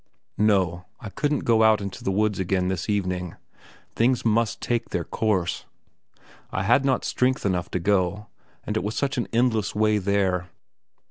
No; I couldn't go out into the woods again this evening. Things must take their course. I had not strength enough to go, and it was such an endless way there.